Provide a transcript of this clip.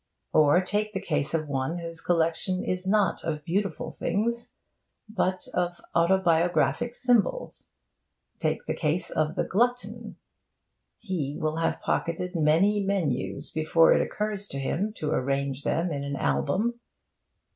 Or take the case of one whose collection is not of beautiful things, but of autobiographic symbols: take the case of the glutton. He will have pocketed many menus before it occurs to him to arrange them in an album.